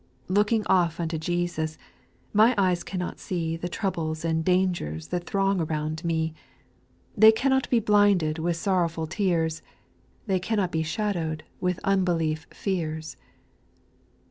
2. Looking off unto Jesus, My eyes cannot see The troubles and dangers That throng around me : SPIRITUAL SONGS. 329 They cannot be blinded With sorrowful tears, They cannot be shadow'd With unbelief fears.